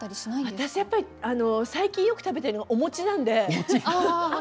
私やっぱり最近よく食べてるのおなんで。